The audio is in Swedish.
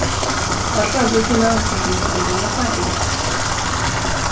Har farbror sina ansökningshandlingar färdiga?